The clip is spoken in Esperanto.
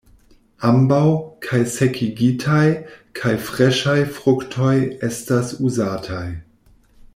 Ambaŭ, kaj sekigitaj kaj freŝaj fruktoj estas uzataj.